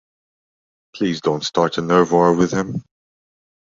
Please don't start a nerve war with him.